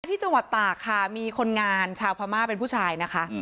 ที่จังหวัดตากค่ะมีคนงานชาวพม่าเป็นผู้ชายนะคะ